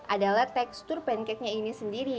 adalah tekstur pancake nya ini sendiri